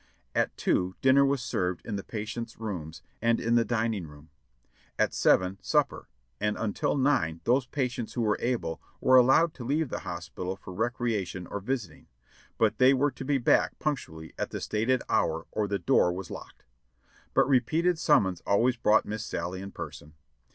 At two dinner was served in the patients' rooms and in the dining room ; at seven supper, and until nine those patients who were able were allowed to leave the hospital for recreation or visiting; but they were to be back punctually at the stated hour or the door was locked; but repeated summons always brought Miss Sallie in person.